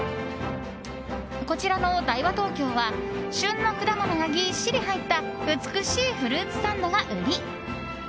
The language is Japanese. こちらのダイワＴＯＫＹＯは旬の果物がぎっしり入った美しいフルーツサンドが売り。